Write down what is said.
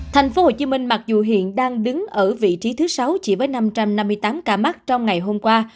thành phố hồ chí minh mặc dù hiện đang đứng ở vị trí thứ sáu chỉ với năm trăm năm mươi tám ca mắc trong ngày hôm qua